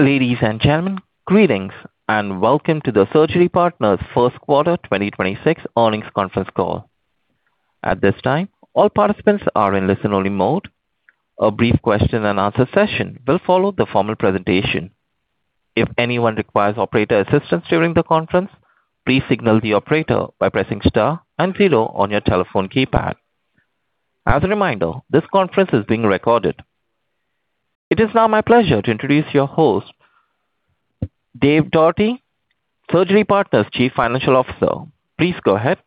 Ladies and gentlemen, greetings, and Welcome to the Surgery Partners First Quarter 2026 Earnings Conference Call. At this time, all participants are in listen-only mode. A brief question and answer session will follow the formal presentation. If anyone requires operator assistance during the conference, please signal the operator by pressing star [and zero] on your telephone keypad. As a reminder, this conference is being recorded. It is now my pleasure to introduce your host, Dave Doherty, Surgery Partners Chief Financial Officer. Please go ahead.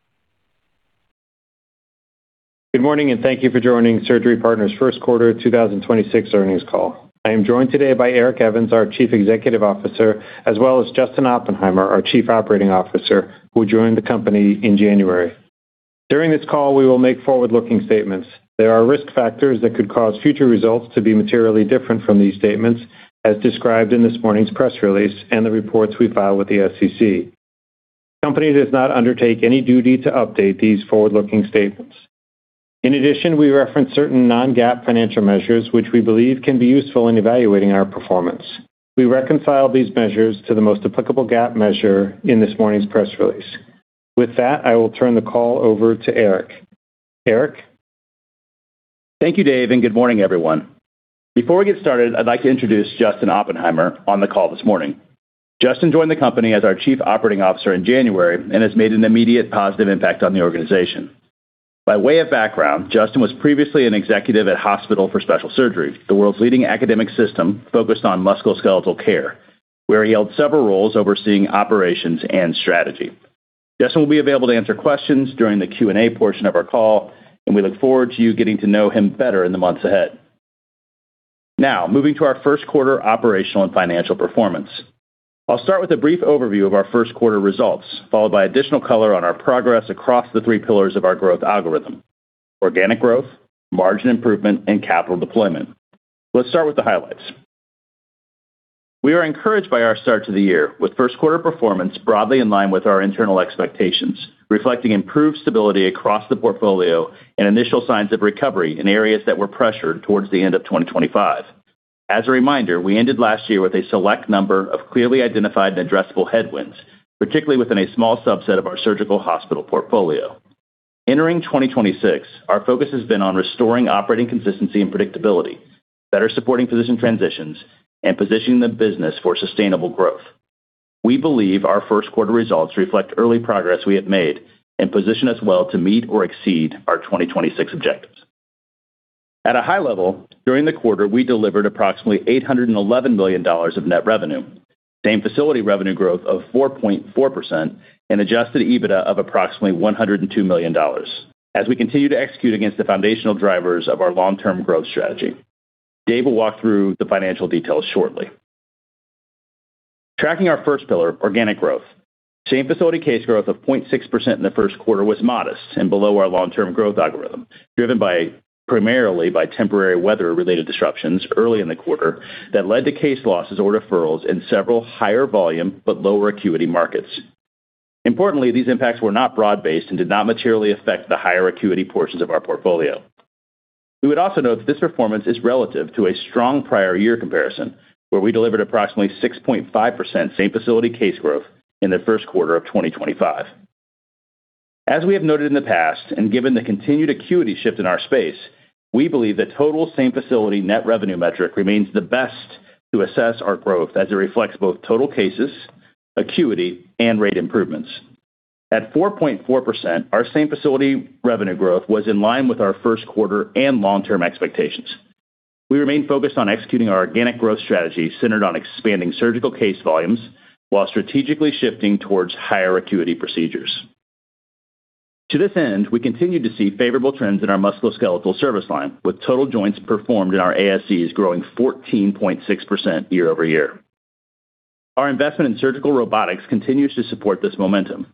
Good morning. Thank you for joining Surgery Partners first quarter 2026 earnings call. I am joined today by Eric Evans, our Chief Executive Officer, as well as Justin Oppenheimer, our Chief Operating Officer, who joined the company in January. During this call, we will make forward-looking statements. There are risk factors that could cause future results to be materially different from these statements, as described in this morning's press release and the reports we file with the SEC. The company does not undertake any duty to update these forward-looking statements. In addition, we reference certain non-GAAP financial measures which we believe can be useful in evaluating our performance. We reconcile these measures to the most applicable GAAP measure in this morning's press release. With that, I will turn the call over to Eric. Eric? Thank you, Dave. Good morning, everyone. Before we get started, I'd like to introduce Justin Oppenheimer on the call this morning. Justin joined the company as our Chief Operating Officer in January and has made an immediate positive impact on the organization. By way of background, Justin was previously an executive at Hospital for Special Surgery, the world's leading academic system focused on musculoskeletal care, where he held several roles overseeing operations and strategy. Justin will be available to answer questions during the Q&A portion of our call. We look forward to you getting to know him better in the months ahead. Moving to our first quarter operational and financial performance. I'll start with a brief overview of our first quarter results, followed by additional color on our progress across the three pillars of our growth algorithm: organic growth, margin improvement, and capital deployment. Let's start with the highlights. We are encouraged by our start to the year, with first quarter performance broadly in line with our internal expectations, reflecting improved stability across the portfolio and initial signs of recovery in areas that were pressured towards the end of 2025. As a reminder, we ended last year with a select number of clearly identified and addressable headwinds, particularly within a small subset of our surgical hospital portfolio. Entering 2026, our focus has been on restoring operating consistency and predictability, better supporting physician transitions, and positioning the business for sustainable growth. We believe our first quarter results reflect early progress we have made and position us well to meet or exceed our 2026 objectives. At a high level, during the quarter, we delivered approximately $811 million of net revenue, same-facility revenue growth of 4.4%, and adjusted EBITDA of approximately $102 million as we continue to execute against the foundational drivers of our long-term growth strategy. Dave will walk through the financial details shortly. Tracking our 1st pillar, organic growth. Same-facility case growth of 0.6% in the first quarter was modest and below our long-term growth algorithm, driven primarily by temporary weather-related disruptions early in the quarter that led to case losses or referrals in several higher volume but lower acuity markets. Importantly, these impacts were not broad-based and did not materially affect the higher acuity portions of our portfolio. We would also note that this performance is relative to a strong prior year comparison, where we delivered approximately 6.5% same-facility case growth in the first quarter of 2025. We have noted in the past, and given the continued acuity shift in our space, we believe the total same-facility net revenue metric remains the best to assess our growth as it reflects both total cases, acuity, and rate improvements. At 4.4%, our same-facility revenue growth was in line with our first quarter and long-term expectations. We remain focused on executing our organic growth strategy centered on expanding surgical case volumes while strategically shifting towards higher acuity procedures. To this end, we continue to see favorable trends in our musculoskeletal service line, with total joints performed in our ASCs growing 14.6% year-over-year. Our investment in surgical robotics continues to support this momentum.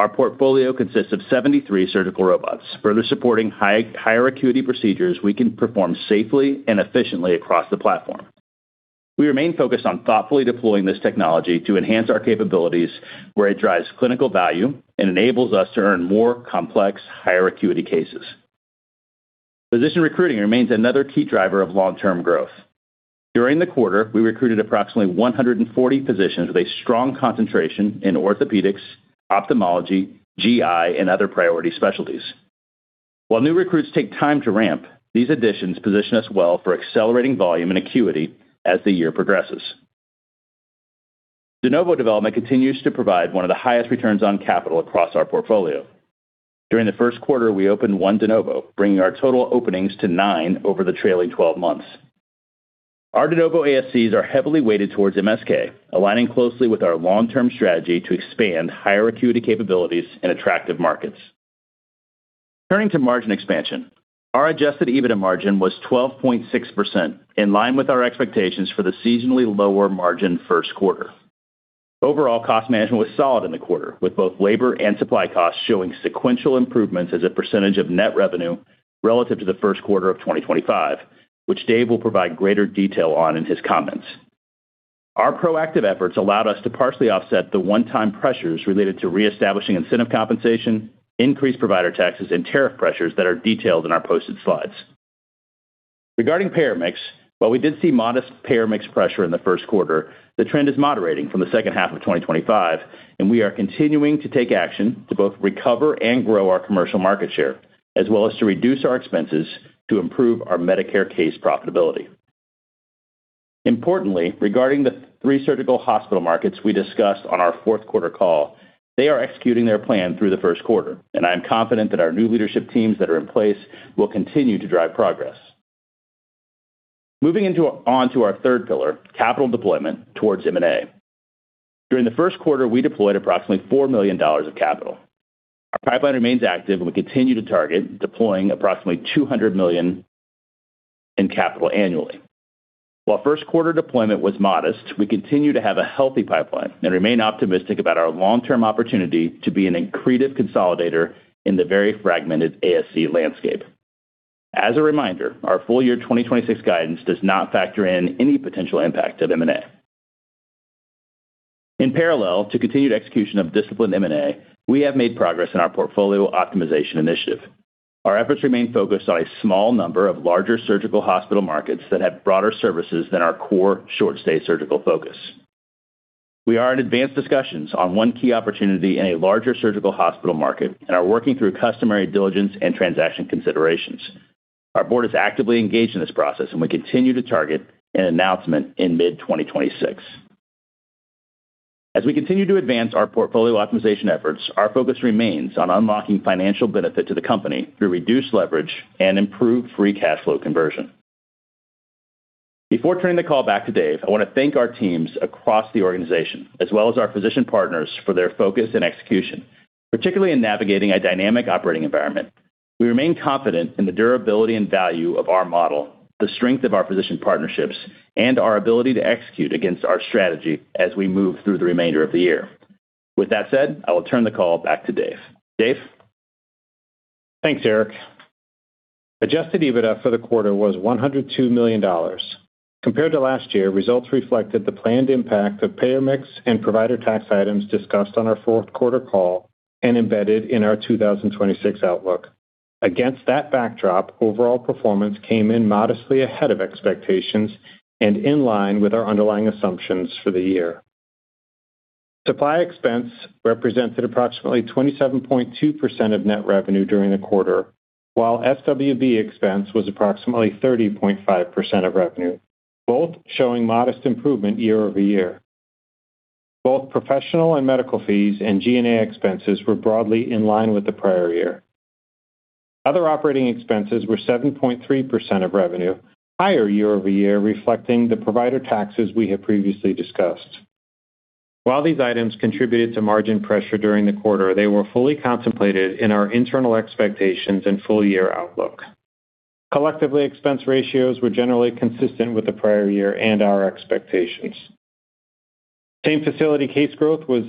Our portfolio consists of 73 surgical robots, further supporting higher acuity procedures we can perform safely and efficiently across the platform. We remain focused on thoughtfully deploying this technology to enhance our capabilities where it drives clinical value and enables us to earn more complex, higher acuity cases. Physician recruiting remains another key driver of long-term growth. During the quarter, we recruited approximately 140 physicians with a strong concentration in orthopedics, ophthalmology, GI, and other priority specialties. While new recruits take time to ramp, these additions position us well for accelerating volume and acuity as the year progresses. De novo development continues to provide one of the highest returns on capital across our portfolio. During the first quarter, we opened one de novo, bringing our total openings to nine over the trailing 12 months. Our de novo ASCs are heavily weighted towards MSK, aligning closely with our long-term strategy to expand higher acuity capabilities in attractive markets. Turning to margin expansion, our adjusted EBITDA margin was 12.6%, in line with our expectations for the seasonally lower margin first quarter. Overall, cost management was solid in the quarter, with both labor and supply costs showing sequential improvements as a percentage of net revenue relative to the first quarter of 2025, which Dave will provide greater detail on in his comments. Our proactive efforts allowed us to partially offset the one-time pressures related to reestablishing incentive compensation, increased provider taxes, and tariff pressures that are detailed in our posted slides. Regarding payer mix, while we did see modest payer mix pressure in the first quarter, the trend is moderating from the second half of 2025, and we are continuing to take action to both recover and grow our commercial market share, as well as to reduce our expenses to improve our Medicare case profitability. Importantly, regarding the three surgical hospital markets we discussed on our fourth quarter call, they are executing their plan through the first quarter, and I am confident that our new leadership teams that are in place will continue to drive progress. Moving on to our third pillar, capital deployment towards M&A. During the first quarter, we deployed approximately $4 million of capital. Our pipeline remains active, and we continue to target deploying approximately $200 million in capital annually. While first quarter deployment was modest, we continue to have a healthy pipeline and remain optimistic about our long-term opportunity to be an accretive consolidator in the very fragmented ASC landscape. As a reminder, our full year 2026 guidance does not factor in any potential impact of M&A. In parallel to continued execution of disciplined M&A, we have made progress in our portfolio optimization initiative. Our efforts remain focused on a small number of larger surgical hospital markets that have broader services than our core short stay surgical focus. We are in advanced discussions on one key opportunity in a larger surgical hospital market and are working through customary diligence and transaction considerations. Our board is actively engaged in this process, and we continue to target an announcement in mid-2026. As we continue to advance our portfolio optimization efforts, our focus remains on unlocking financial benefit to the company through reduced leverage and improved free cash flow conversion. Before turning the call back to Dave, I want to thank our teams across the organization as well as our physician partners for their focus and execution, particularly in navigating a dynamic operating environment. We remain confident in the durability and value of our model, the strength of our physician partnerships, and our ability to execute against our strategy as we move through the remainder of the year. With that said, I will turn the call back to Dave. Dave? Thanks, Eric. Adjusted EBITDA for the quarter was $102 million. Compared to last year, results reflected the planned impact of payer mix and provider tax items discussed on our fourth quarter call and embedded in our 2026 outlook. Against that backdrop, overall performance came in modestly ahead of expectations and in line with our underlying assumptions for the year. Supply expense represented approximately 27.2% of net revenue during the quarter, while SWB expense was approximately 30.5% of revenue, both showing modest improvement year-over-year. Both professional and medical fees and G&A expenses were broadly in line with the prior year. Other operating expenses were 7.3% of revenue, higher year-over-year, reflecting the provider taxes we have previously discussed. While these items contributed to margin pressure during the quarter, they were fully contemplated in our internal expectations and full year outlook. Collectively, expense ratios were generally consistent with the prior year and our expectations. Same-facility case growth was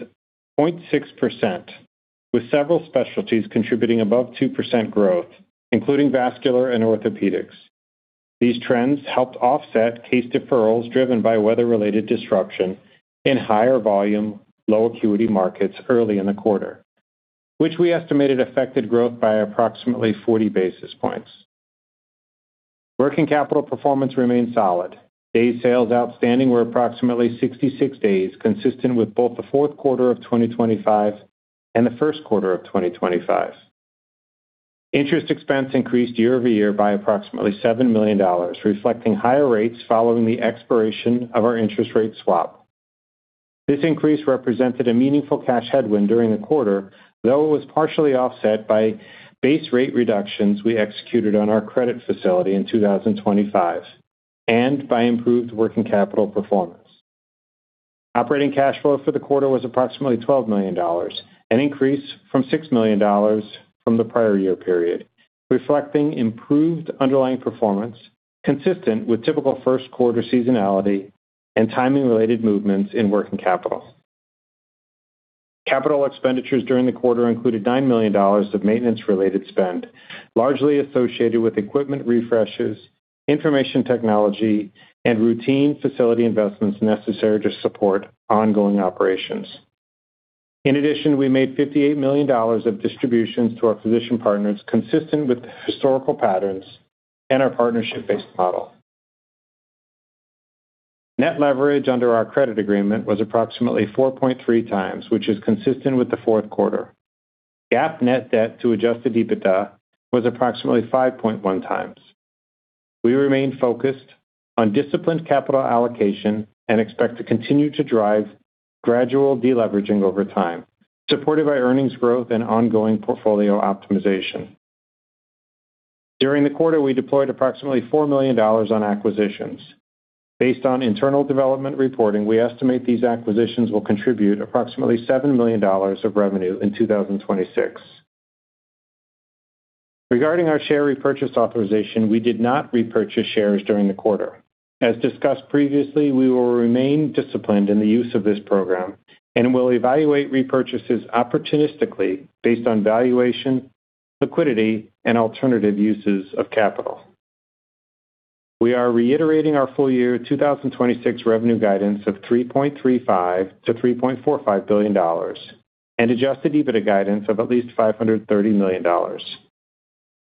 0.6%, with several specialties contributing above 2% growth, including vascular and orthopedics. These trends helped offset case deferrals driven by weather-related disruption in higher volume, low acuity markets early in the quarter, which we estimated affected growth by approximately 40 basis points. Working capital performance remained solid. Day sales outstanding were approximately 66 days, consistent with both the fourth quarter of 2025 and the first quarter of 2025. Interest expense increased year-over-year by approximately $7 million, reflecting higher rates following the expiration of our interest rate swap. This increase represented a meaningful cash headwind during the quarter, though it was partially offset by base rate reductions we executed on our credit facility in 2025 and by improved working capital performance. Operating cash flow for the quarter was approximately $12 million, an increase from $6 million from the prior year period, reflecting improved underlying performance consistent with typical first quarter seasonality and timing related movements in working capital. Capital expenditures during the quarter included $9 million of maintenance related spend, largely associated with equipment refreshes, information technology, and routine facility investments necessary to support ongoing operations. In addition, we made $58 million of distributions to our physician partners consistent with historical patterns and our partnership-based model. Net leverage under our credit agreement was approximately 4.3 times, which is consistent with the fourth quarter. GAAP net debt to adjusted EBITDA was approximately 5.1 times. We remain focused on disciplined capital allocation and expect to continue to drive gradual deleveraging over time, supported by earnings growth and ongoing portfolio optimization. During the quarter, we deployed approximately $4 million on acquisitions. Based on internal development reporting, we estimate these acquisitions will contribute approximately $7 million of revenue in 2026. Regarding our share repurchase authorization, we did not repurchase shares during the quarter. As discussed previously, we will remain disciplined in the use of this program and will evaluate repurchases opportunistically based on valuation, liquidity, and alternative uses of capital. We are reiterating our full year 2026 revenue guidance of $3.35 billion-$3.45 billion and adjusted EBITDA guidance of at least $530 million.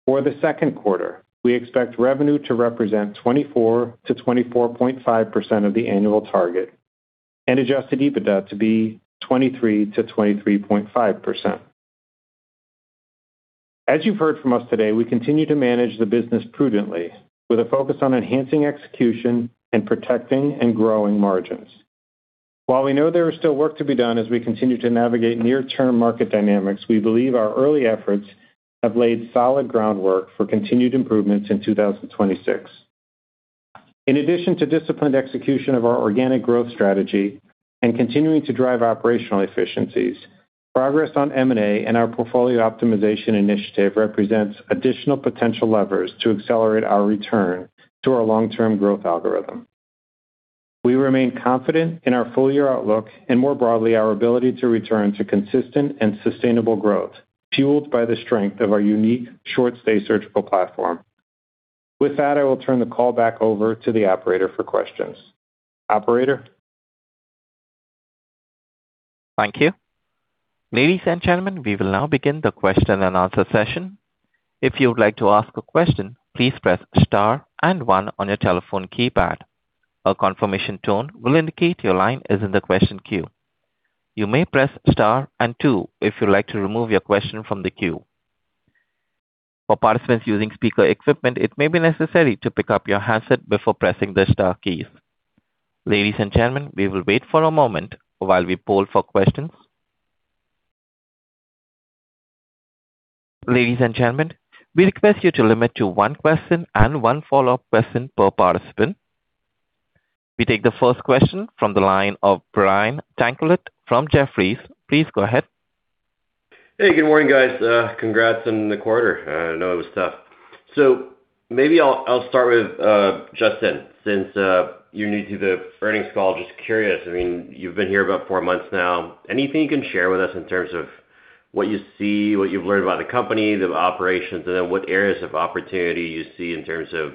For the second quarter, we expect revenue to represent 24%-24.5% of the annual target and adjusted EBITDA to be 23%-23.5%. As you've heard from us today, we continue to manage the business prudently with a focus on enhancing execution and protecting and growing margins. While we know there is still work to be done as we continue to navigate near-term market dynamics, we believe our early efforts have laid solid groundwork for continued improvements in 2026. In addition to disciplined execution of our organic growth strategy and continuing to drive operational efficiencies, progress on M&A and our portfolio optimization initiative represents additional potential levers to accelerate our return to our long-term growth algorithm. We remain confident in our full-year outlook and, more broadly, our ability to return to consistent and sustainable growth, fueled by the strength of our unique short-stay surgical platform. With that, I will turn the call back over to the operator for questions. Operator? Thank you. Ladies and gentlemen, we will now begin the question-and-answer session. If you would like to ask a question, please press star and one on your telephone keypad. A confirmation tone will indicate your line is in the question queue. You may press star and two if you'd like to remove your question from the queue. For participants using speaker equipment, it may be necessary to pick up your handset before pressing the star keys. Ladies and gentlemen, we will wait for a moment while we poll for questions. Ladies and gentlemen, we request you to limit to 1 question and 1 follow-up question per participant. We take the first question from the line of Brian Tanquilut from Jefferies. Please go ahead. Hey, good morning, guys. Congrats on the quarter. I know it was tough. Maybe I'll start with Justin, since you're new to the earnings call. Just curious, I mean, you've been here about four months now. Anything you can share with us in terms of what you see, what you've learned about the company, the operations, and then what areas of opportunity you see in terms of,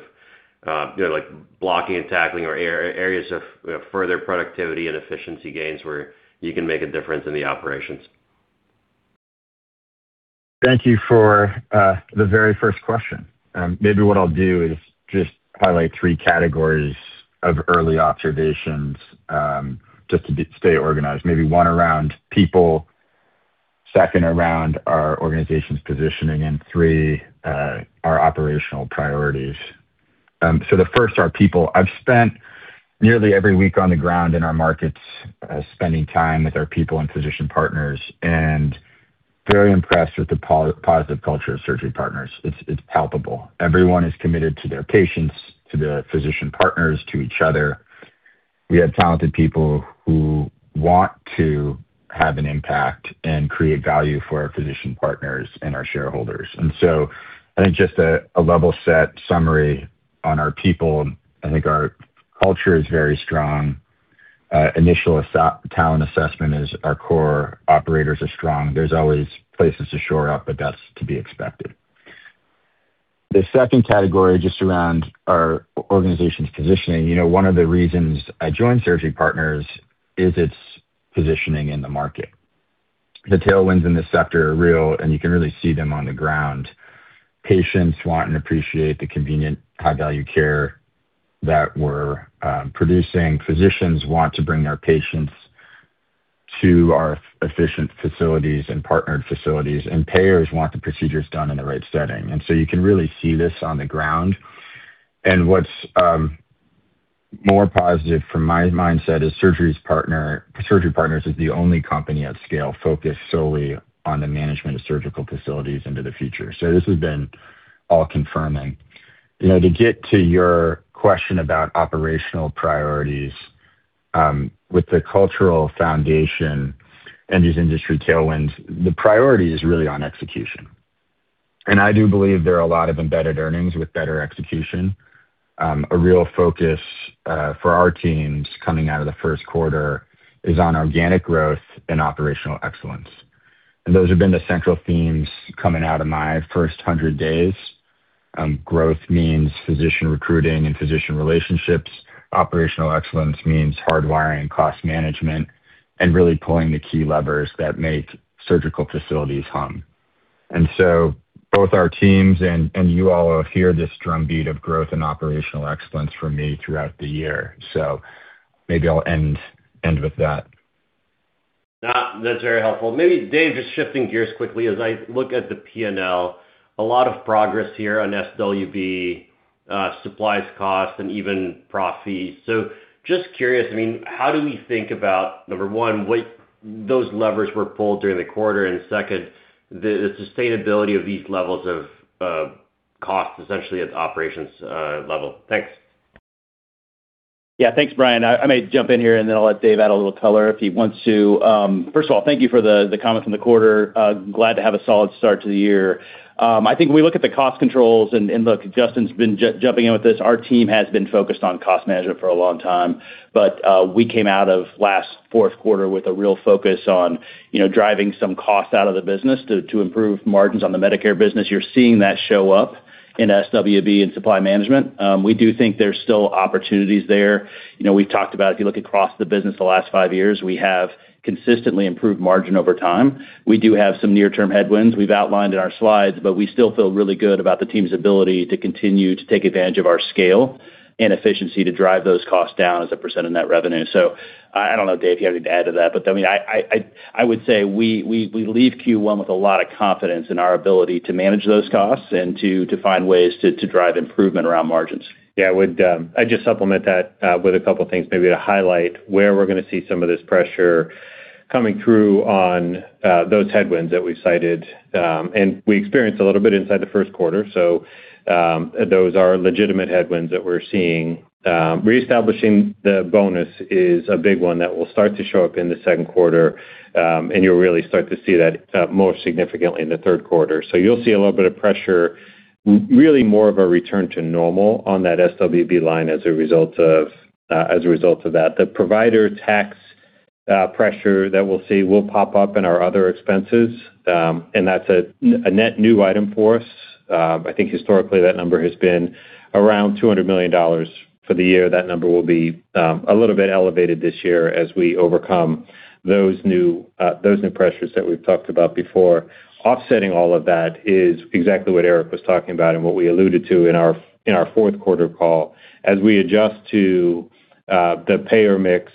you know, like blocking and tackling or areas of further productivity and efficiency gains where you can make a difference in the operations? Thank you for the very first question. Maybe what I'll do is just highlight three categories of early observations, just to stay organized. Maybe one, around people. Second, around our organization's positioning. Three, our operational priorities. The first are people. I've spent nearly every week on the ground in our markets, spending time with our people and physician partners, and very impressed with the positive culture of Surgery Partners. It's palpable. Everyone is committed to their patients, to their physician partners, to each other. We have talented people who want to have an impact and create value for our physician partners and our shareholders. I think just a level set summary on our people, I think our culture is very strong. Initial talent assessment is our core operators are strong. There's always places to shore up, but that's to be expected. The second category, just around our organization's positioning. You know, one of the reasons I joined Surgery Partners is its positioning in the market. The tailwinds in this sector are real, and you can really see them on the ground. Patients want and appreciate the convenient high-value care that we're producing. Physicians want to bring their patients to our efficient facilities and partnered facilities, and payers want the procedures done in the right setting. You can really see this on the ground. What's more positive from my mindset is Surgery Partners is the only company at scale focused solely on the management of surgical facilities into the future. This has been all confirming. You know, to get to your question about operational priorities, with the cultural foundation and these industry tailwinds, the priority is really on execution. I do believe there are a lot of embedded earnings with better execution. A real focus for our teams coming out of the first quarter is on organic growth and operational excellence, those have been the central themes coming out of my first 100 days. Growth means physician recruiting and physician relationships. Operational excellence means hardwiring cost management and really pulling the key levers that make surgical facilities hum. Both our teams and you all will hear this drumbeat of growth and operational excellence from me throughout the year. Maybe I'll end with that. No, that's very helpful. Maybe, Dave, just shifting gears quickly. As I look at the P&L, a lot of progress here on SWB, supplies costs, and even prof fees. Just curious, I mean, how do we think about, number one, what those levers were pulled during the quarter, and second, the sustainability of these levels of costs, essentially at the operations level? Thanks. Yeah. Thanks, Brian. I may jump in here, then I'll let Dave add a little color if he wants to. First of all, thank you for the comment from the quarter. Glad to have a solid start to the year. I think when we look at the cost controls, and look, Justin's been jumping in with this, our team has been focused on cost management for a long time. We came out of last fourth quarter with a real focus on, you know, driving some cost out of the business to improve margins on the Medicare business. You're seeing that show up. In SWB and supply management. We do think there's still opportunities there. You know, we've talked about if you look across the business the last five years, we have consistently improved margin over time. We do have some near-term headwinds we've outlined in our slides, but we still feel really good about the team's ability to continue to take advantage of our scale and efficiency to drive those costs down as a % of net revenue. I don't know, Dave, you have anything to add to that. I mean, I would say we leave Q1 with a lot of confidence in our ability to manage those costs and to find ways to drive improvement around margins. Yeah, I would, I'd just supplement that with a couple things maybe to highlight where we're gonna see some of this pressure coming through on those headwinds that we've cited, and we experienced a little bit inside the first quarter. Those are legitimate headwinds that we're seeing. Reestablishing the bonus is a big one that will start to show up in the second quarter, and you'll really start to see that more significantly in the third quarter. You'll see a little bit of pressure, really more of a return to normal on that SWB line as a result of, as a result of that. The provider tax pressure that we'll see will pop up in our other expenses, and that's a net new item for us. I think historically that number has been around $200 million for the year. That number will be a little bit elevated this year as we overcome those new, those new pressures that we've talked about before. Offsetting all of that is exactly what Eric was talking about and what we alluded to in our fourth quarter call. As we adjust to the payer mix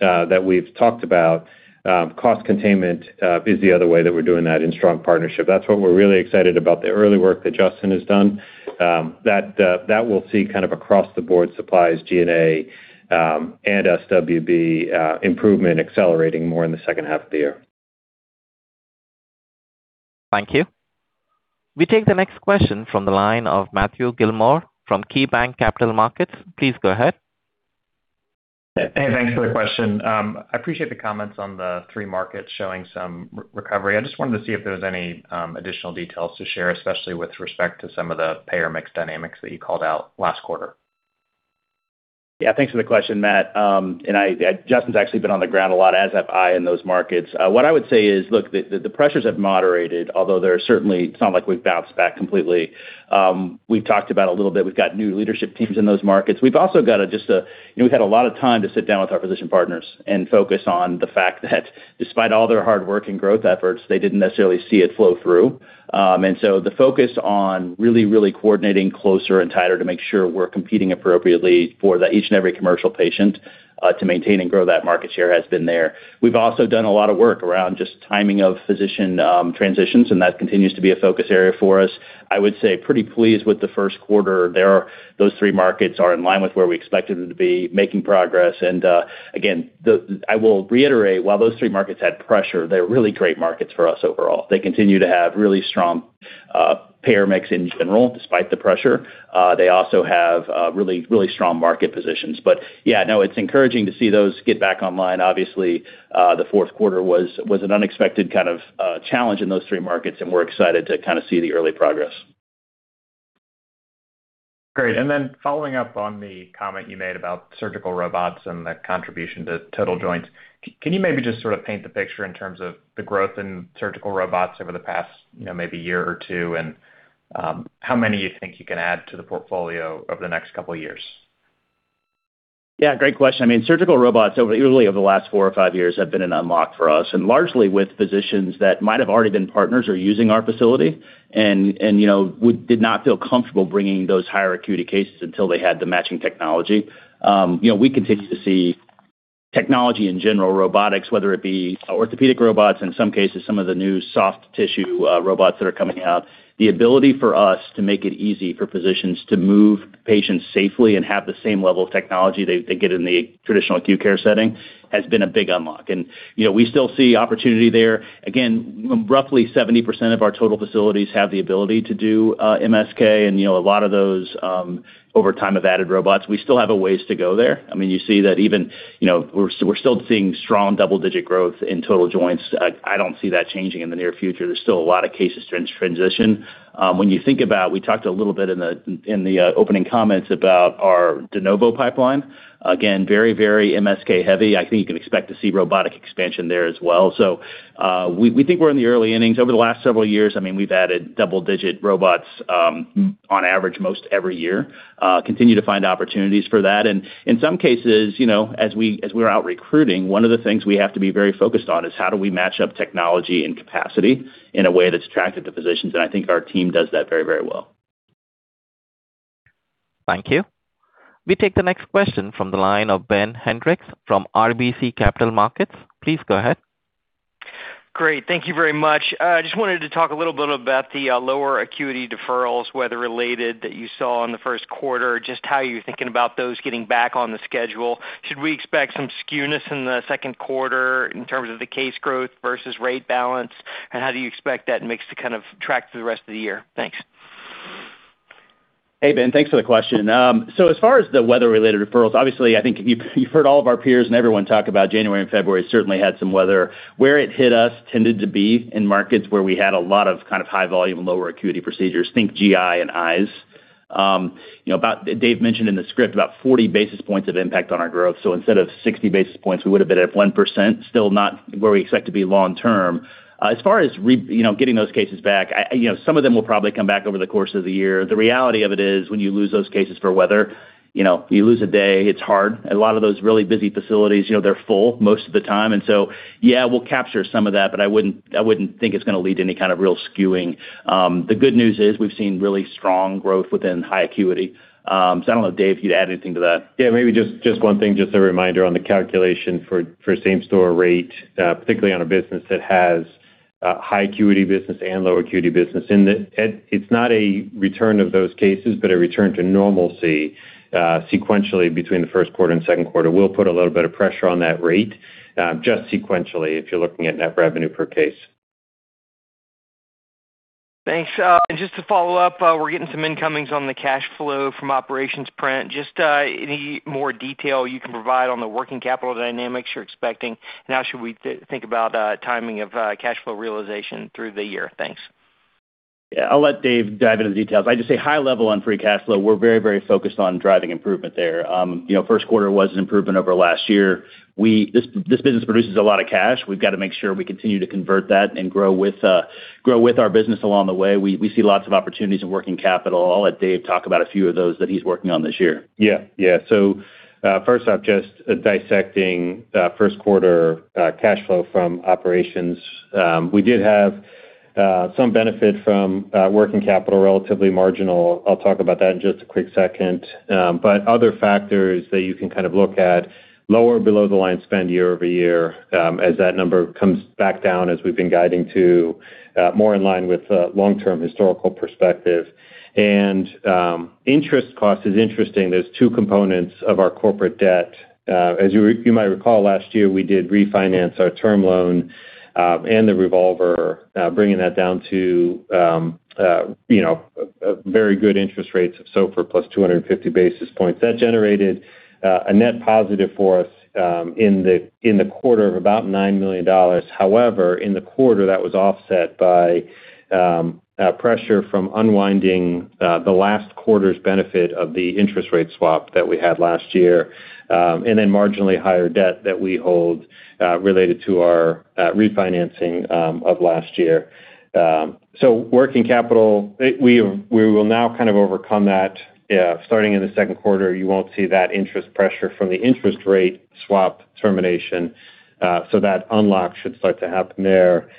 that we've talked about, cost containment is the other way that we're doing that in strong partnership. That's what we're really excited about, the early work that Justin has done, that we'll see kind of across the board supplies, G&A, and SWB improvement accelerating more in the second half of the year. Thank you. We take the next question from the line of Matthew Gillmor from KeyBanc Capital Markets. Please go ahead. Hey, thanks for the question. I appreciate the comments on the three markets showing some recovery. I just wanted to see if there was any additional details to share, especially with respect to some of the payer mix dynamics that you called out last quarter. Yeah, thanks for the question, Matt. I, Justin's actually been on the ground a lot, as have I, in those markets. What I would say is, look, the pressures have moderated, although there are certainly, it's not like we've bounced back completely. We've talked about a little bit, we've got new leadership teams in those markets. We've also got just a, you know, we've had a lot of time to sit down with our physician partners and focus on the fact that despite all their hard work and growth efforts, they didn't necessarily see it flow through. The focus on really coordinating closer and tighter to make sure we're competing appropriately for the each and every commercial patient, to maintain and grow that market share has been there. We've also done a lot of work around just timing of physician transitions, and that continues to be a focus area for us. I would say pretty pleased with the first quarter. Those three markets are in line with where we expected them to be, making progress. Again, I will reiterate, while those three markets had pressure, they're really great markets for us overall. They continue to have really strong payer mix in general, despite the pressure. They also have really strong market positions. Yeah, no, it's encouraging to see those get back online. Obviously, the fourth quarter was an unexpected kind of challenge in those three markets, and we're excited to kinda see the early progress. Great. Then following up on the comment you made about surgical robots and the contribution to total joints, can you maybe just sort of paint the picture in terms of the growth in surgical robots over the past, you know, maybe year or two, and how many you think you can add to the portfolio over the next couple years? Yeah, great question. I mean, surgical robots really over the last four or five years have been an unlock for us, and largely with physicians that might have already been partners or using our facility and, you know, we did not feel comfortable bringing those higher acuity cases until they had the matching technology. You know, we continue to see technology in general, robotics, whether it be orthopedic robots, in some cases, some of the new soft tissue robots that are coming out. The ability for us to make it easy for physicians to move patients safely and have the same level of technology they get in the traditional acute care setting has been a big unlock. You know, we still see opportunity there. Roughly 70% of our total facilities have the ability to do MSK and, you know, a lot of those over time have added robots. We still have a ways to go there. I mean, you see that even, you know, we're still seeing strong double-digit growth in total joints. I don't see that changing in the near future. There's still a lot of cases transition. When you think about, we talked a little bit in the opening comments about our de novo pipeline. Very MSK heavy. I think you can expect to see robotic expansion there as well. We think we're in the early innings. Over the last several years, I mean, we've added double-digit robots on average most every year. Continue to find opportunities for that. In some cases, you know, as we, as we're out recruiting, one of the things we have to be very focused on is how do we match up technology and capacity in a way that's attractive to physicians, and I think our team does that very, very well. Thank you. We take the next question from the line of Ben Hendrix from RBC Capital Markets. Please go ahead Great. Thank you very much. Just wanted to talk a little bit about the lower acuity deferrals, weather-related, that you saw in the first quarter. Just how you're thinking about those getting back on the schedule. Should we expect some skewness in the second quarter in terms of the case growth versus rate balance? How do you expect that mix to kind of track through the rest of the year? Thanks. Hey, Ben, thanks for the question. As far as the weather-related deferrals, obviously, I think you've heard all of our peers and everyone talk about January and February certainly had some weather. Where it hit us tended to be in markets where we had a lot of kind of high volume, lower acuity procedures. Think GI and eyes. You know, Dave mentioned in the script about 40 basis points of impact on our growth. Instead of 60 basis points, we would have been at 1%, still not where we expect to be long term. As far as you know, getting those cases back, I, you know, some of them will probably come back over the course of the year. The reality of it is when you lose those cases for weather, you know, you lose a day, it's hard. A lot of those really busy facilities, you know, they're full most of the time. Yeah, we'll capture some of that, but I wouldn't think it's gonna lead to any kind of real skewing. The good news is we've seen really strong growth within high acuity. I don't know, Dave, if you'd add anything to that. Yeah, maybe just one thing, just a reminder on the calculation for same-store rate, particularly on a business that has high acuity business and lower acuity business. It's not a return of those cases but a return to normalcy, sequentially between the first quarter and second quarter. We'll put a little bit of pressure on that rate, just sequentially if you're looking at net revenue per case. Thanks. Just to follow up, we're getting some incomings on the cash flow from operations print. Any more detail you can provide on the working capital dynamics you're expecting, and how should we think about timing of cash flow realization through the year? Thanks. Yeah. I'll let Dave dive into the details. I just say high level on free cash flow. We're very focused on driving improvement there. You know, first quarter was an improvement over last year. This business produces a lot of cash. We've got to make sure we continue to convert that and grow with our business along the way. We see lots of opportunities in working capital. I'll let Dave talk about a few of those that he's working on this year. First off, just dissecting first quarter cash flow from operations. We did have some benefit from working capital, relatively marginal. I'll talk about that in just a quick second. Other factors that you can kind of look at, lower below-the-line spend year-over-year, as that number comes back down as we've been guiding to more in line with long-term historical perspective. Interest cost is interesting. There's 2 components of our corporate debt. As you might recall, last year, we did refinance our term loan and the revolver, bringing that down to, you know, a very good interest rates of SOFR plus 250 basis points. That generated a net positive for us in the quarter of about $9 million. However, in the quarter, that was offset by pressure from unwinding the last quarter's benefit of the interest rate swap that we had last year, and then marginally higher debt that we hold related to our refinancing of last year. Working capital, we will now kind of overcome that. Starting in the second quarter, you won't see that interest pressure from the interest rate swap termination, that unlock should start to happen there.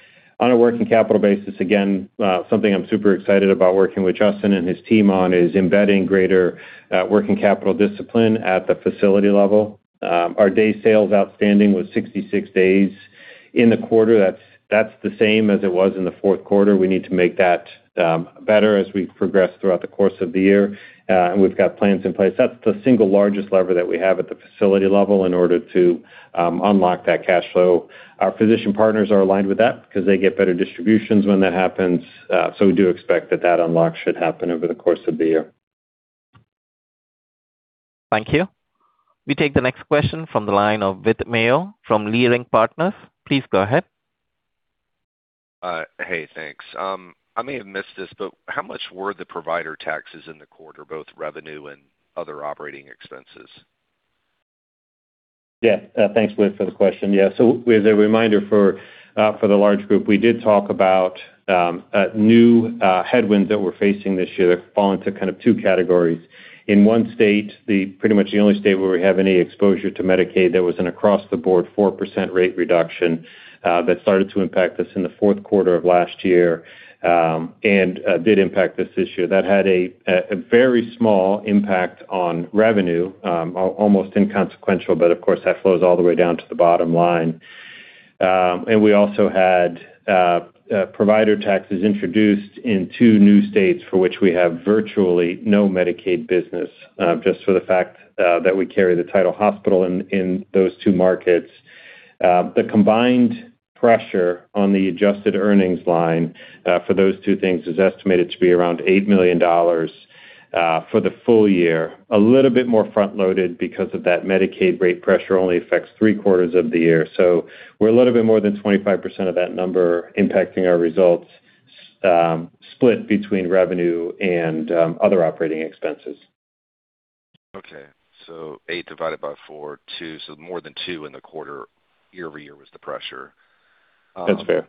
On a working capital basis, again, something I'm super excited about working with Justin and his team on is embedding greater working capital discipline at the facility level. Our day sales outstanding was 66 days in the quarter. That's the same as it was in the fourth quarter. We need to make that better as we progress throughout the course of the year. We've got plans in place. That's the single largest lever that we have at the facility level in order to unlock that cash flow. Our physician partners are aligned with that because they get better distributions when that happens. We do expect that that unlock should happen over the course of the year. Thank you. We take the next question from the line of Whit Mayo from Leerink Partners. Please go ahead. Hey, thanks. I may have missed this, but how much were the provider taxes in the quarter, both revenue and other operating expenses? Yeah. Thanks, Whit, for the question. As a reminder for the large group, we did talk about new headwinds that we're facing this year that fall into kind of two categories. In one state, the pretty much the only state where we have any exposure to Medicaid, there was an across-the-board 4% rate reduction that started to impact us in the 4th quarter of last year and did impact us this year. That had a very small impact on revenue, almost inconsequential, of course, that flows all the way down to the bottom line. We also had provider taxes introduced in two new states for which we have virtually no Medicaid business, just for the fact that we carry the title hospital in those two markets. The combined pressure on the adjusted earnings line, for those two things is estimated to be around $8 million for the full year. A little bit more front-loaded because of that Medicaid rate pressure only affects three-quarters of the year. We're a little bit more than 25% of that number impacting our results, split between revenue and other operating expenses. Okay. 8 divided by 4, 2. More than 2 in the quarter year-over-year was the pressure. That's fair.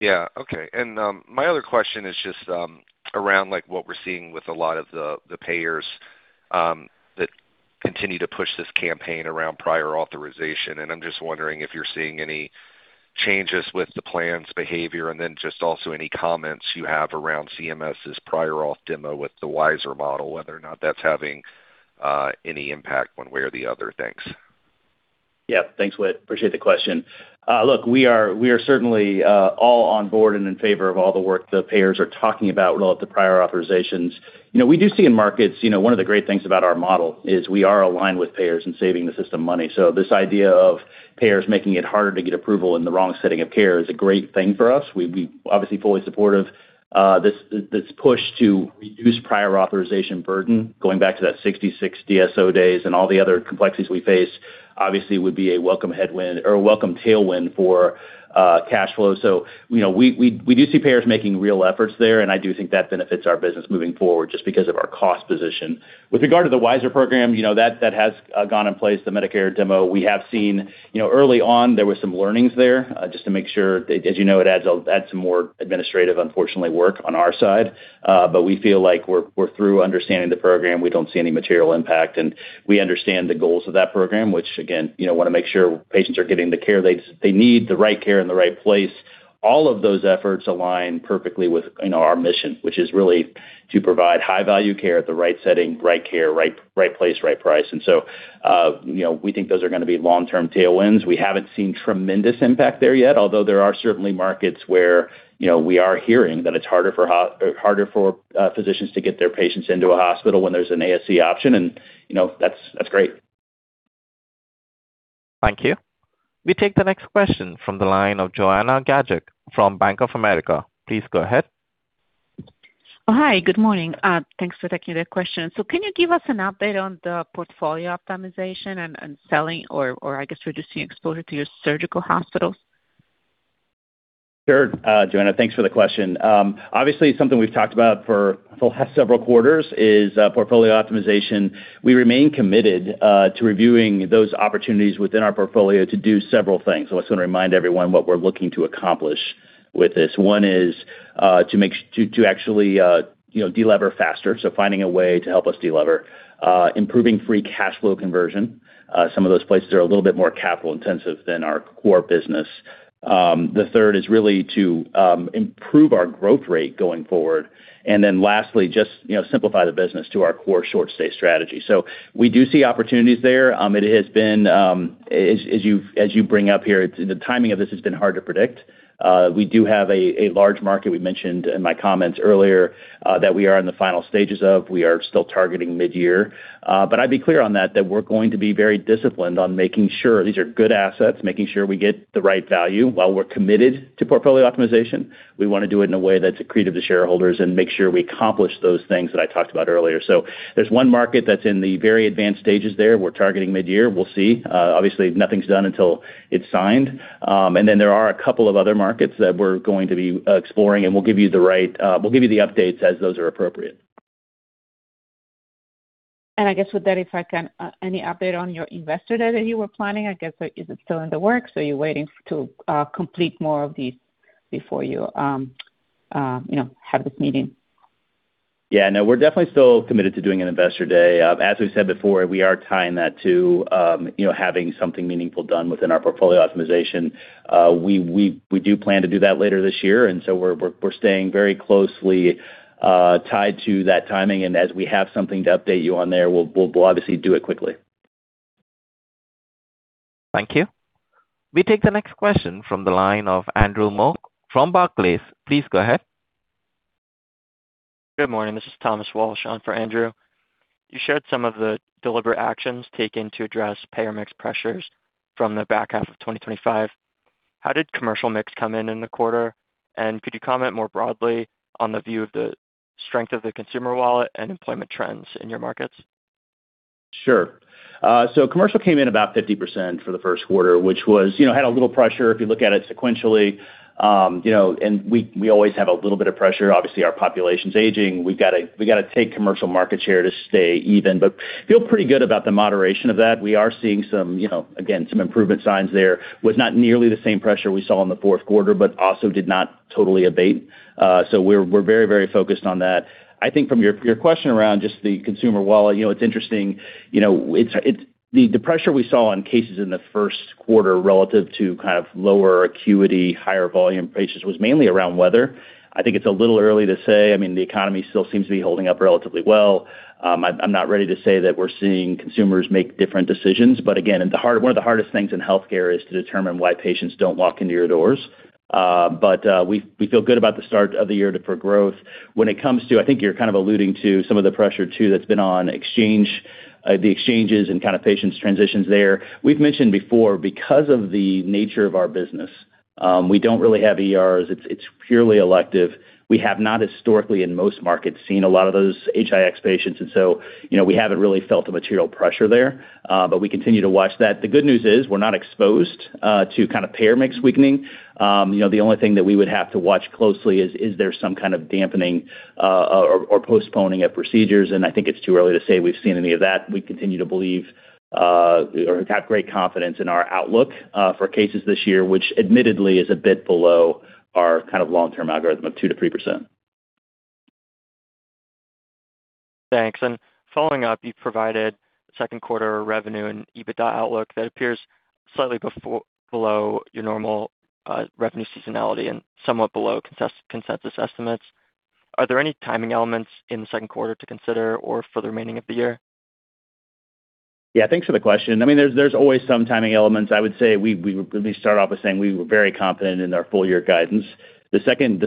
Yeah. Okay. My other question is just around like what we're seeing with a lot of the payers that continue to push this campaign around prior authorization. I'm just wondering if you're seeing any changes with the plan's behavior, and then just also any comments you have around CMS's prior auth demo with the WISeR model, whether or not that's having any impact one way or the other. Thanks. Yeah. Thanks, Whit. Appreciate the question. Look, we are certainly all on board and in favor of all the work the payers are talking about with all of the prior authorizations. You know, we do see in markets, you know, one of the great things about our model is we are aligned with payers in saving the system money. This idea of payers making it harder to get approval in the wrong setting of care is a great thing for us. We'd be obviously fully supportive. This push to reduce prior authorization burden, going back to that 66 DSO days and all the other complexities we face, obviously would be a welcome headwind or a welcome tailwind for cash flow. You know, we do see payers making real efforts there, and I do think that benefits our business moving forward just because of our cost position. With regard to the WISeR program, you know, that has gone in place, the Medicare demo. We have seen, you know, early on, there were some learnings there. As you know, it adds some more administrative, unfortunately, work on our side. We feel like we're through understanding the program. We don't see any material impact, and we understand the goals of that program, which again, you know, wanna make sure patients are getting the care they need, the right care in the right place. All of those efforts align perfectly with, you know, our mission, which is really to provide high value care at the right setting, right care, right place, right price. You know, we think those are gonna be long-term tailwinds. We haven't seen tremendous impact there yet, although there are certainly markets where, you know, we are hearing that it's harder for harder for physicians to get their patients into a hospital when there's an ASC option, and, you know, that's great. Thank you. We take the next question from the line of Joanna Gajuk from Bank of America. Please go ahead. Hi, good morning. Thanks for taking the question. Can you give us an update on the portfolio optimization and selling or reducing exposure to your surgical hospitals? Sure. Joanna, thanks for the question. Obviously, something we've talked about for the last several quarters is portfolio optimization. We remain committed to reviewing those opportunities within our portfolio to do several things. I just wanna remind everyone what we're looking to accomplish with this. One is actually, you know, de-lever faster, finding a way to help us de-lever. Improving free cash flow conversion. Some of those places are a little bit more capital-intensive than our core business. The third is really to improve our growth rate going forward. Lastly, just, you know, simplify the business to our core short stay strategy. We do see opportunities there. It has been, as you bring up here, the timing of this has been hard to predict. We do have a large market we mentioned in my comments earlier that we are in the final stages of. We are still targeting mid-year. I'd be clear on that we're going to be very disciplined on making sure these are good assets, making sure we get the right value. While we're committed to portfolio optimization, we wanna do it in a way that's accretive to shareholders and make sure we accomplish those things that I talked about earlier. There's one market that's in the very advanced stages there. We're targeting mid-year. We'll see. Obviously, nothing's done until it's signed. There are a couple of other markets that we're going to be exploring, and we'll give you the updates as those are appropriate. I guess with that, if I can, any update on your investor day that you were planning? I guess, is it still in the works? Are you waiting to complete more of these before, you know, have this meeting? Yeah, no, we're definitely still committed to doing an investor day. As we said before, we are tying that to, you know, having something meaningful done within our portfolio optimization. We do plan to do that later this year, we're staying very closely tied to that timing. As we have something to update you on there, we'll obviously do it quickly. Thank you. We take the next question from the line of Andrew Mok from Barclays. Please go ahead. Good morning. This is Thomas Walsh on for Andrew. You shared some of the deliberate actions taken to address payer mix pressures from the back half of 2025. How did commercial mix come in in the quarter? Could you comment more broadly on the view of the strength of the consumer wallet and employment trends in your markets? Sure. Commercial came in about 50% for the first quarter, which was, you know, had a little pressure if you look at it sequentially. You know, we always have a little bit of pressure. Obviously, our population's aging. We gotta take commercial market share to stay even, feel pretty good about the moderation of that. We are seeing some, you know, again, some improvement signs there. Was not nearly the same pressure we saw in the fourth quarter, also did not totally abate. We're very focused on that. I think from your question around just the consumer wallet, you know, it's interesting. You know, it's the pressure we saw on cases in the first quarter relative to kind of lower acuity, higher volume patients was mainly around weather. I think it's a little early to say. I mean, the economy still seems to be holding up relatively well. I'm not ready to say that we're seeing consumers make different decisions. Again, one of the hardest things in healthcare is to determine why patients don't walk into your doors. We feel good about the start of the year for growth. When it comes to, I think you're kind of alluding to some of the pressure too that's been on exchange, the exchanges and kind of patients transitions there. We've mentioned before, because of the nature of our business, we don't really have ERs. It's purely elective. We have not historically in most markets seen a lot of those HIX patients, and so, you know, we haven't really felt the material pressure there, but we continue to watch that. The good news is we're not exposed, to kind of payer mix weakening. You know, the only thing that we would have to watch closely is there some kind of dampening, or postponing of procedures, and I think it's too early to say we've seen any of that. We continue to believe, or have great confidence in our outlook, for cases this year, which admittedly is a bit below our kind of long-term algorithm of 2%-3%. Thanks. Following up, you've provided second quarter revenue and EBITDA outlook that appears slightly below your normal revenue seasonality and somewhat below consensus estimates. Are there any timing elements in the second quarter to consider or for the remaining of the year? Thanks for the question. I mean, there's always some timing elements. I would say we would at least start off with saying we were very confident in our full year guidance. The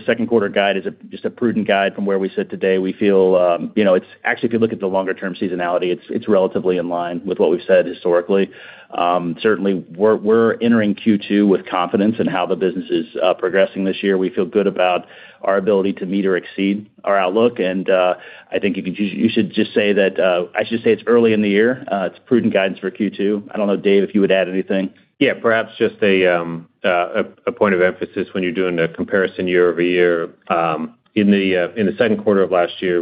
second quarter guide is just a prudent guide from where we sit today. We feel, you know, actually, if you look at the longer term seasonality, it's relatively in line with what we've said historically. Certainly we're entering Q2 with confidence in how the business is progressing this year. We feel good about our ability to meet or exceed our outlook. I think you should just say that I should say it's early in the year. It's prudent guidance for Q2. I don't know, Dave, if you would add anything. Perhaps just a point of emphasis when you're doing a comparison year-over-year. In the second quarter of last year,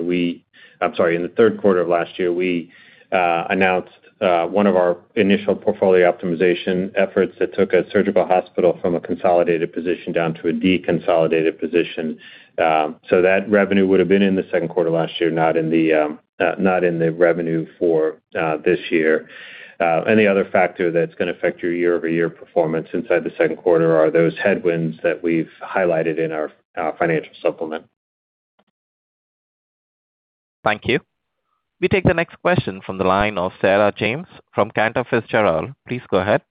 I'm sorry, in the third quarter of last year, we announced one of our initial portfolio optimization efforts that took a surgical hospital from a consolidated position down to a deconsolidated position. So that revenue would have been in the second quarter last year, not in the revenue for this year. Any other factor that's gonna affect your year-over-year performance inside the second quarter are those headwinds that we've highlighted in our financial supplement. Thank you. We take the next question from the line of Sarah James from Cantor Fitzgerald. Please go ahead.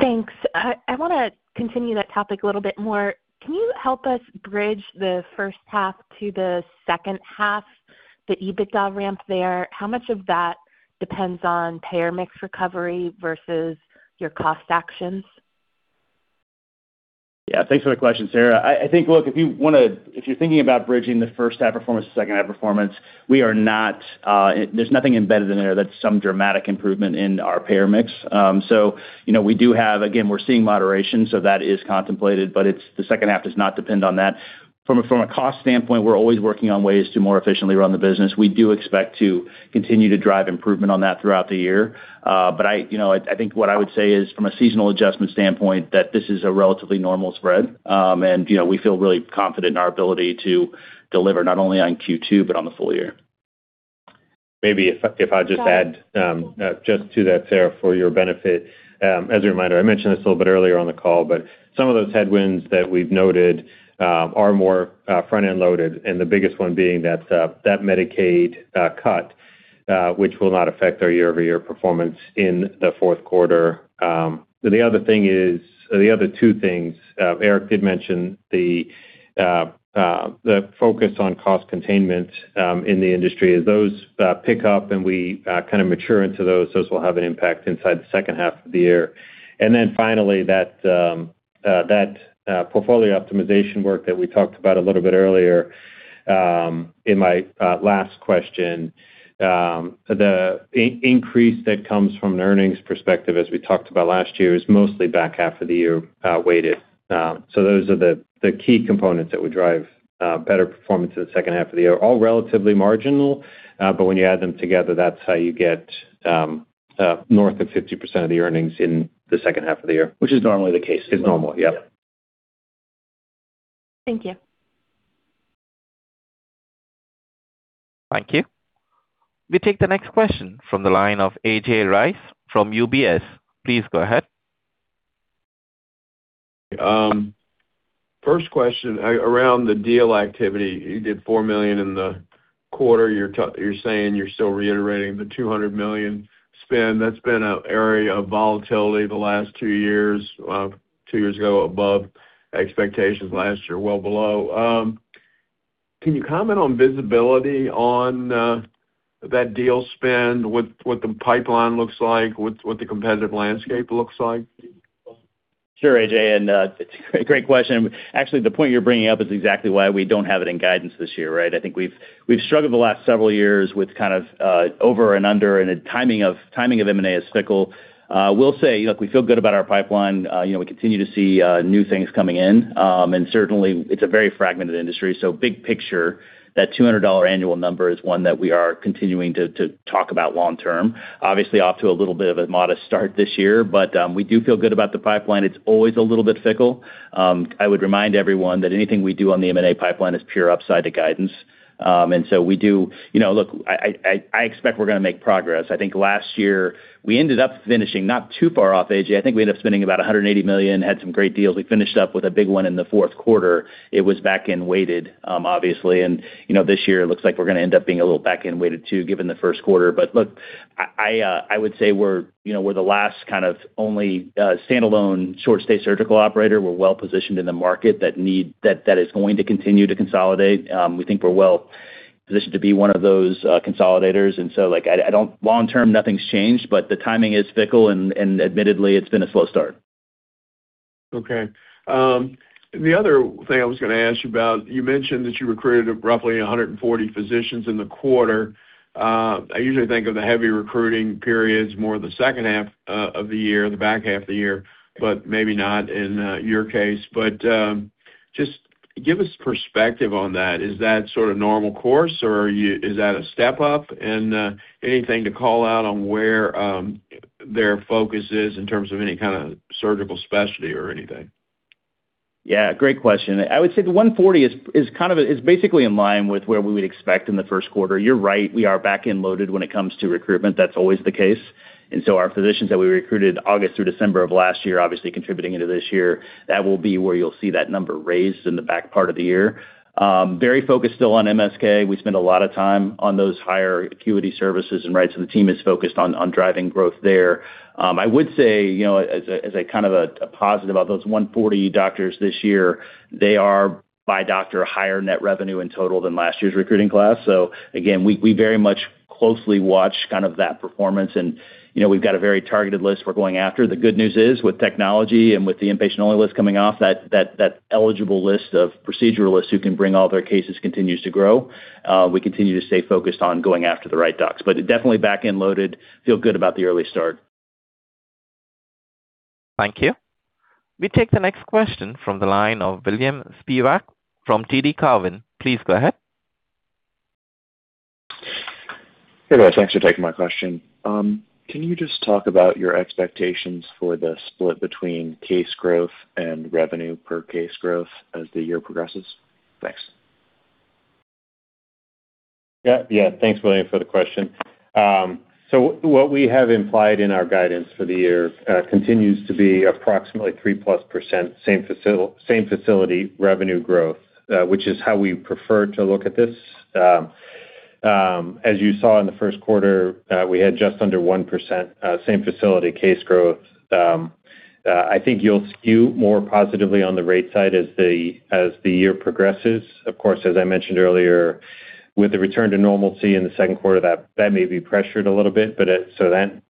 Thanks. I wanna continue that topic a little bit more. Can you help us bridge the first half to the second half, the EBITDA ramp there? How much of that depends on payer mix recovery versus your cost actions? Yeah. Thanks for the question, Sarah. I think, look, if you're thinking about bridging the first half performance to second half performance, we are not, there's nothing embedded in there that's some dramatic improvement in our payer mix. you know, we do have, again, we're seeing moderation, so that is contemplated, but it's, the second half does not depend on that. From a cost standpoint, we're always working on ways to more efficiently run the business. We do expect to continue to drive improvement on that throughout the year. I, you know, I think what I would say is from a seasonal adjustment standpoint, that this is a relatively normal spread. you know, we feel really confident in our ability to deliver not only on Q2 but on the full year. Maybe if I just add, just to that, Sarah, for your benefit. As a reminder, I mentioned this a little bit earlier on the call, but some of those headwinds that we've noted are more front-end loaded, and the biggest one being that Medicaid cut, which will not affect our year-over-year performance in the fourth quarter. The other two things Eric did mention the focus on cost containment in the industry. As those pick up and we kinda mature into those will have an impact inside the second half of the year. Finally, that portfolio optimization work that we talked about a little bit earlier, in my last question, the increase that comes from an earnings perspective, as we talked about last year, is mostly back half of the year weighted. Those are the key components that would drive better performance in the second half of the year. All relatively marginal, when you add them together, that's how you get north of 50% of the earnings in the second half of the year. Which is normally the case. Is normal, yep. Thank you. Thank you. We take the next question from the line of A.J. Rice from UBS. Please go ahead. First question around the deal activity. You did $4 million in the quarter. You're saying you're still reiterating the $200 million spend. That's been an area of volatility the last 2 years. 2 years ago above expectations, last year well below. Can you comment on visibility on that deal spend, what the pipeline looks like, what the competitive landscape looks like? Sure, A.J., it's a great question. Actually, the point you're bringing up is exactly why we don't have it in guidance this year, right? I think we've struggled the last several years with kind of over and under and a timing of M&A is fickle. We'll say, look, we feel good about our pipeline. You know, we continue to see new things coming in. Certainly it's a very fragmented industry, so big picture, that $200 annual number is one that we are continuing to talk about long term. Obviously off to a little bit of a modest start this year, but we do feel good about the pipeline. It's always a little bit fickle. I would remind everyone that anything we do on the M&A pipeline is pure upside to guidance. You know, look, I, I expect we're gonna make progress. I think last year we ended up finishing not too far off, A.J. I think we ended up spending about $180 million, had some great deals. We finished up with a big one in the fourth quarter. It was back-end weighted, obviously. You know, this year looks like we're gonna end up being a little back-end weighted too, given the first quarter. Look, I, I would say we're, you know, we're the last kind of only standalone short-stay surgical operator. We're well-positioned in the market that is going to continue to consolidate. We think we're well-positioned to be one of those consolidators. Like, I don't Long term, nothing's changed, but the timing is fickle and, admittedly, it's been a slow start. Okay. The other thing I was gonna ask you about, you mentioned that you recruited roughly 140 physicians in the quarter. I usually think of the heavy recruiting periods more the second half of the year, the back half of the year, but maybe not in your case. Just give us perspective on that. Is that sort of normal course, or is that a step up? Anything to call out on where their focus is in terms of any kinda surgical specialty or anything? Yeah, great question. I would say the 140 is basically in line with where we would expect in the first quarter. You're right, we are back-end loaded when it comes to recruitment. That's always the case. Our physicians that we recruited August through December of last year, obviously contributing into this year, that will be where you'll see that number raised in the back part of the year. Very focused still on MSK. We spend a lot of time on those higher acuity services, the team is focused on driving growth there. I would say, you know, as a kind of a positive of those 140 doctors this year, they are by doctor higher net revenue in total than last year's recruiting class. Again, we very much closely watch kind of that performance and, you know, we've got a very targeted list we're going after. The good news is with technology and with the inpatient-only list coming off, that eligible list of proceduralists who can bring all their cases continues to grow. We continue to stay focused on going after the right docs. Definitely back-end loaded. Feel good about the early start. Thank you. We take the next question from the line of William Spiwak from TD Cowen. Please go ahead. Hey, guys. Thanks for taking my question. Can you just talk about your expectations for the split between case growth and net revenue per case growth as the year progresses? Thanks. Yeah, yeah. Thanks, William, for the question. What we have implied in our guidance for the year continues to be approximately 3-plus% same-facility revenue growth, which is how we prefer to look at this. As you saw in the first quarter, we had just under 1% same-facility case growth. I think you'll skew more positively on the rate side as the year progresses. Of course, as I mentioned earlier, with the return to normalcy in the second quarter, that may be pressured a little bit, but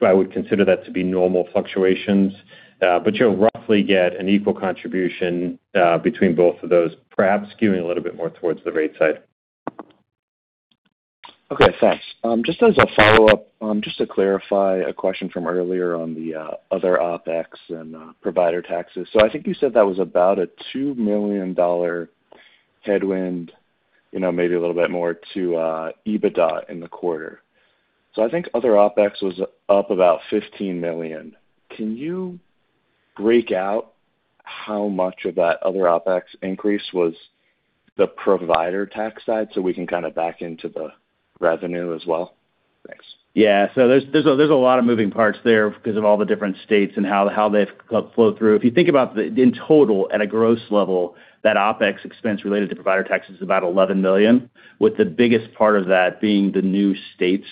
I would consider that to be normal fluctuations. You'll roughly get an equal contribution between both of those, perhaps skewing a little bit more towards the rate side. Okay, thanks. Just as a follow-up, just to clarify a question from earlier on the other OpEx and provider taxes. I think you said that was about a $2 million headwind, you know, maybe a little bit more to EBITDA in the quarter. I think other OpEx was up about $15 million. Can you break out how much of that other OpEx increase was the provider tax side so we can kinda back into the revenue as well? Thanks. There's a lot of moving parts there because of all the different states and how they flow through. If you think about in total at a gross level, that OpEx expense related to provider tax is about $11 million, with the biggest part of that being the new states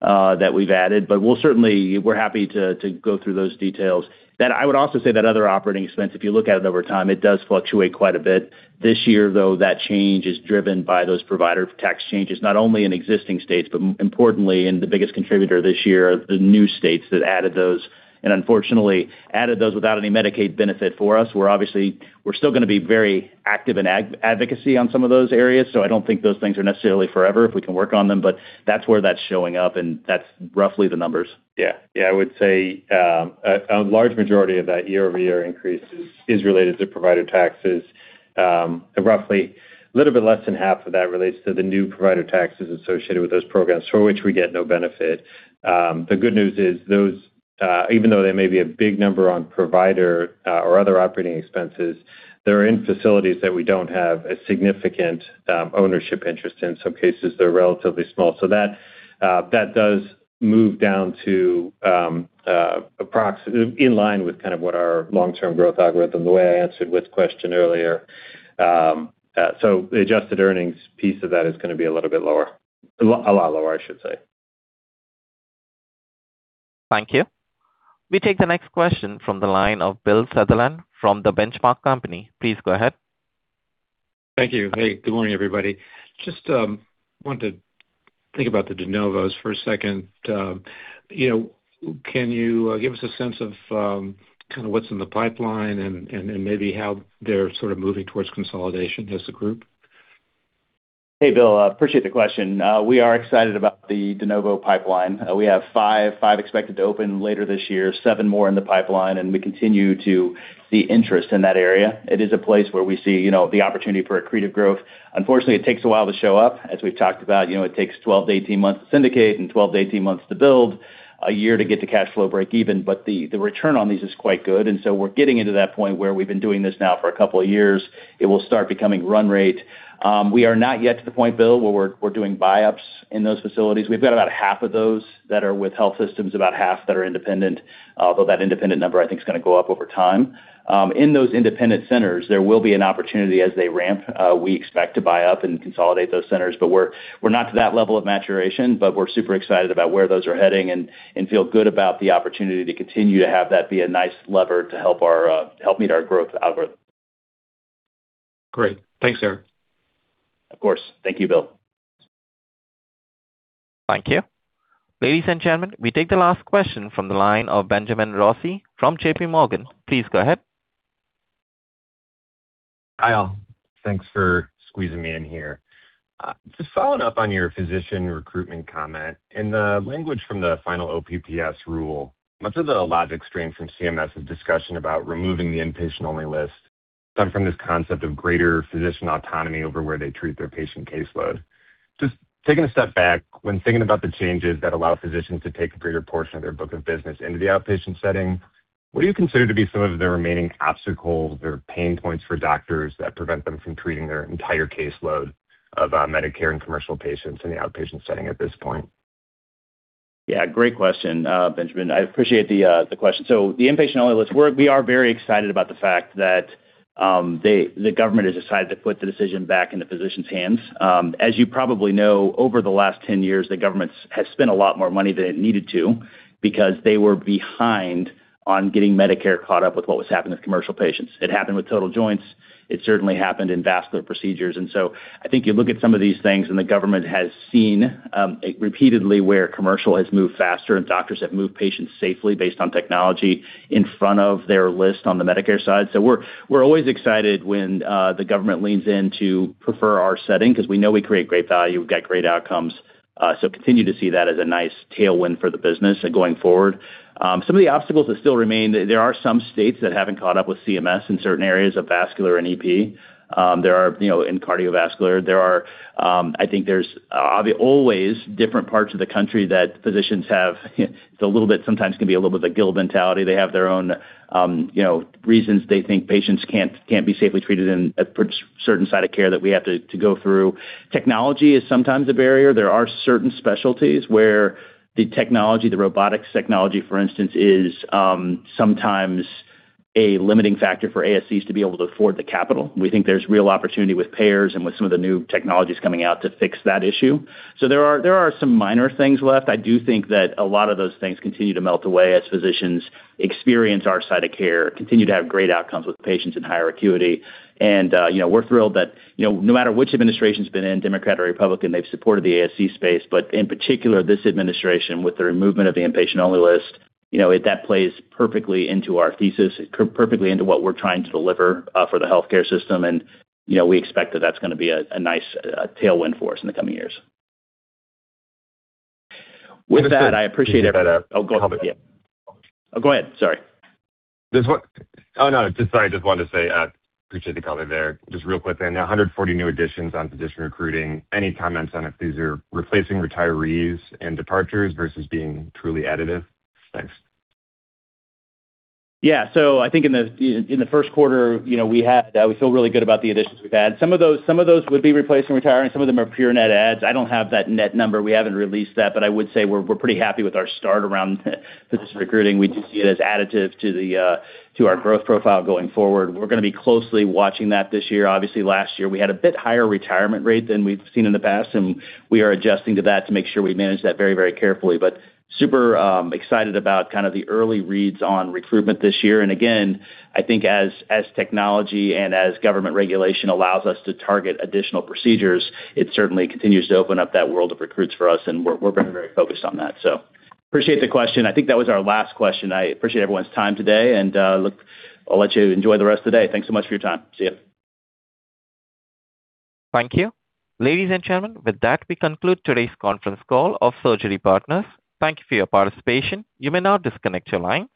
that we've added. We're happy to go through those details. I would also say that other operating expense, if you look at it over time, it does fluctuate quite a bit. This year, though, that change is driven by those provider tax changes, not only in existing states, but importantly in the biggest contributor this year, the new states that added those, and unfortunately added those without any Medicaid benefit for us. We're still gonna be very active in advocacy on some of those areas. I don't think those things are necessarily forever if we can work on them, but that's where that's showing up, and that's roughly the numbers. Yeah, I would say a large majority of that year-over-year increase is related to provider taxes. Roughly a little bit less than half of that relates to the new provider taxes associated with those programs for which we get no benefit. The good news is those, even though they may be a big number on provider or other operating expenses, they're in facilities that we don't have a significant ownership interest. In some cases, they're relatively small. That does move down to in line with kind of what our long-term growth algorithm, the way I answered Whit's question earlier. The adjusted earnings piece of that is gonna be a little bit lower. A lot lower, I should say. Thank you. We take the next question from the line of Bill Sutherland from The Benchmark Company. Please go ahead. Thank you. Hey, good morning, everybody. Just wanted to think about the de novos for a second. You know, can you give us a sense of kind of what's in the pipeline and maybe how they're sort of moving towards consolidation as a group? Hey, Bill. I appreciate the question. We are excited about the de novo pipeline. We have 5 expected to open later this year, 7 more in the pipeline. We continue to see interest in that area. It is a place where we see, you know, the opportunity for accretive growth. Unfortunately, it takes a while to show up. As we've talked about, you know, it takes 12-18 months to syndicate and 12-18 months to build, 1 year to get to cash flow break even. The return on these is quite good. We're getting into that point where we've been doing this now for 2 years. It will start becoming run rate. We are not yet to the point, Bill, where we're doing buy-ups in those facilities. We've got about half of those that are with health systems, about half that are independent. Though that independent number I think is gonna go up over time. In those independent centers, there will be an opportunity as they ramp, we expect to buy up and consolidate those centers, but we're not to that level of maturation, but we're super excited about where those are heading and feel good about the opportunity to continue to have that be a nice lever to help our meet our growth algorithm. Great. Thanks, Eric. Of course. Thank you, Bill. Thank you. Ladies and gentlemen, we take the last question from the line of Benjamin Rossi from JPMorgan. Please go ahead. Hi, all. Thanks for squeezing me in here. Just following up on your physician recruitment comment. In the language from the final OPPS rule, much of the logic stream from CMS's discussion about removing the inpatient-only list come from this concept of greater physician autonomy over where they treat their patient caseload. Just taking a step back, when thinking about the changes that allow physicians to take a greater portion of their book of business into the outpatient setting, what do you consider to be some of the remaining obstacles or pain points for doctors that prevent them from treating their entire caseload of Medicare and commercial patients in the outpatient setting at this point? Yeah, great question, Benjamin. I appreciate the question. The inpatient-only list, we are very excited about the fact that they, the government has decided to put the decision back in the physician's hands. As you probably know, over the last 10 years, the government has spent a lot more money than it needed to because they were behind on getting Medicare caught up with what was happening with commercial patients. It happened with total joints. It certainly happened in vascular procedures. I think you look at some of these things, and the government has seen repeatedly where commercial has moved faster and doctors have moved patients safely based on technology in front of their list on the Medicare side. We're always excited when the government leans in to prefer our setting because we know we create great value. We've got great outcomes. Continue to see that as a nice tailwind for the business going forward. Some of the obstacles that still remain, there are some states that haven't caught up with CMS in certain areas of vascular and EP. There are, you know, in cardiovascular, there are, I think there's always different parts of the country that physicians have, sometimes can be a little bit of a guild mentality. They have their own, you know, reasons they think patients can't be safely treated in a certain side of care that we have to go through. Technology is sometimes a barrier. There are certain specialties where the technology, the robotics technology, for instance, is sometimes a limiting factor for ASCs to be able to afford the capital. We think there's real opportunity with payers and with some of the new technologies coming out to fix that issue. There are some minor things left. I do think that a lot of those things continue to melt away as physicians experience our side of care, continue to have great outcomes with patients in higher acuity. You know, we're thrilled that, you know, no matter which administration's been in, Democrat or Republican, they've supported the ASC space. In particular, this administration, with the removal of the inpatient-only list, you know, that plays perfectly into our thesis, perfectly into what we're trying to deliver for the healthcare system. you know, we expect that that's gonna be a nice tailwind for us in the coming years. With that, I appreciate. Oh, go ahead. Yeah. Oh, go ahead, sorry. Sorry, just wanted to say, appreciate the color there. Just real quick, the 140 new additions on physician recruiting, any comments on if these are replacing retirees and departures versus being truly additive? Thanks. I think in the first quarter, you know, we feel really good about the additions we've had. Some of those would be replacing retiring. Some of them are pure net adds. I don't have that net number. We haven't released that. I would say we're pretty happy with our start around the physician recruiting. We do see it as additive to the to our growth profile going forward. We're gonna be closely watching that this year. Obviously, last year, we had a bit higher retirement rate than we've seen in the past, and we are adjusting to that to make sure we manage that very, very carefully. Super excited about kind of the early reads on recruitment this year. Again, I think as technology and as government regulation allows us to target additional procedures, it certainly continues to open up that world of recruits for us, we're very, very focused on that. Appreciate the question. I think that was our last question. I appreciate everyone's time today, I'll let you enjoy the rest of the day. Thanks so much for your time. See you. Thank you. Ladies and gentlemen, with that, we conclude today's conference call of Surgery Partners. Thank you for your participation. You may now disconnect your lines.